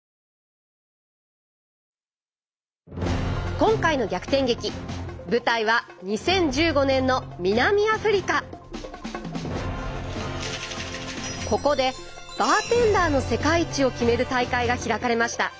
今回の逆転劇舞台はここでバーテンダーの世界一を決める大会が開かれました。